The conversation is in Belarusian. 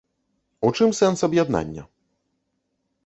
У чым сэнс аб'яднання?